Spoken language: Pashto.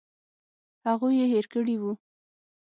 هغوی یې هېر کړي وو.